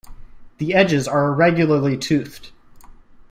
The edges are irregularly toothed.